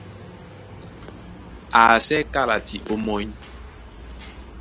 Á asɛ́ kálati ómɔ́ny.